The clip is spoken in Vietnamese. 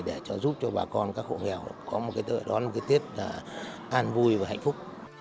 để giúp cho bà con các hộ nghèo có một cái tết an vui và hạnh phúc